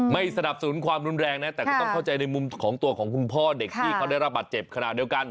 ไม่สนับสนุนความรุนแรงนะแต่ก็ต้องเข้าใจในมุมของตัวของคุณพ่อเด็กที่เขาได้รับบาดเจ็บขนาดเดียวกัน